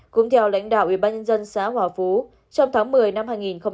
cũng theo lãnh đạo về ba nhân dân xã hòa phú trong tháng một mươi năm hai nghìn hai mươi một